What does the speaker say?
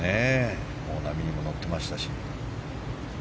波にも乗っていましたし。